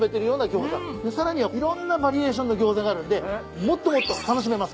さらにはいろんなバリエーションのギョーザがあるんでもっともっと楽しめますから。